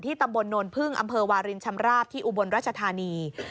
ตำบลโนนพึ่งอำเภอวารินชำราบที่อุบลราชธานี